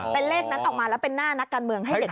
เป็นเลขนั้นออกมาแล้วเป็นหน้านักการเมืองให้เด็ก